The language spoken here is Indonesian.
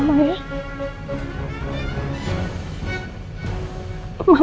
mama jadi anak mama